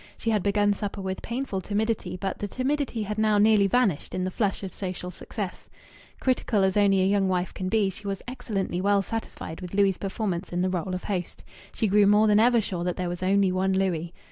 She had begun supper with painful timidity, but the timidity had now nearly vanished in the flush of social success. Critical as only a young wife can be, she was excellently well satisfied with Louis' performance in the role of host. She grew more than ever sure that there was only one Louis.